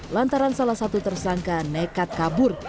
lantaran salah satu tersangka nekat kabur